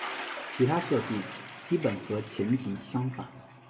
其他设计基本和前级相仿。